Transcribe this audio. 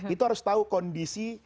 itu harus tahu kondisi